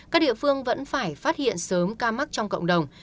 các địa phương vẫn phải phát hiện sớm ca mắc trong cộng đồng